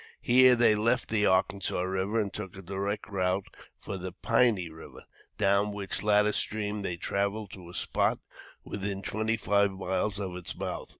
Here they left the Arkansas River and took a direct route for the Piney River, down which latter stream they traveled to a spot within twenty five miles of its mouth.